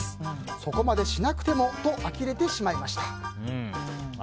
そこまでしなくてもとあきれてしまいました。